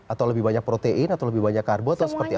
atau lebih banyak protein atau lebih banyak karbo atau seperti apa